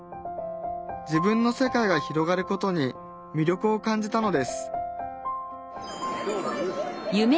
自分の世界が広がることに魅力を感じたのです